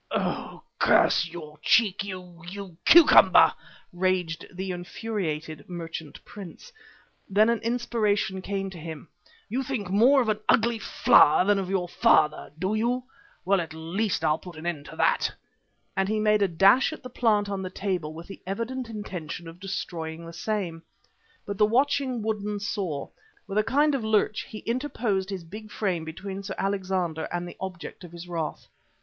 "Oh! curse your cheek, you you cucumber!" raged the infuriated merchant prince. Then an inspiration came to him. "You think more of an ugly flower than of your father, do you? Well, at least I'll put an end to that," and he made a dash at the plant on the table with the evident intention of destroying the same. But the watching Woodden saw. With a kind of lurch he interposed his big frame between Sir Alexander and the object of his wrath.